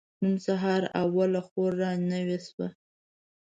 نن سهار اوله خور را نوې شوه.